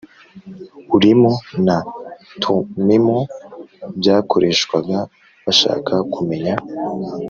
Urimu na Tumimu byakoreshwaga bashaka kumenya